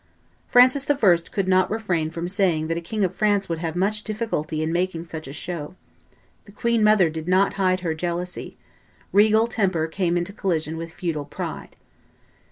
Francis I. could not refrain from saying that a King of France would have much difficulty in making such a show; the queen mother did not hide her jealousy; regal temper came into collision with feudal pride.